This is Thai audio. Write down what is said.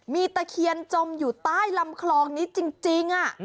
มีตะเคียนจมอยู่ใต้ลำคลองนี้จริง